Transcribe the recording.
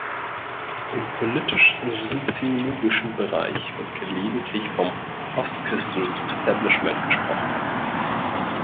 Im politisch-soziologischen Bereich wird gelegentlich vom „Ostküsten-Establishment“ gesprochen.